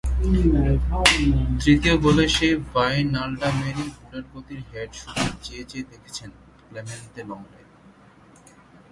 তৃতীয় গোলে সেই ভাইনাল্ডামেরই বুলেটগতির হেড শুধু চেয়ে চেয়ে দেখেছেন ক্লেমেন্ত লংলে।